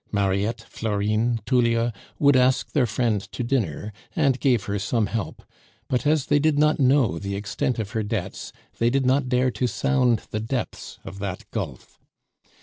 Mariette, Florine, Tullia would ask their friend to dinner, and gave her some help; but as they did not know the extent of her debts, they did not dare to sound the depths of that gulf.